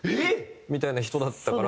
みたいな人だったから。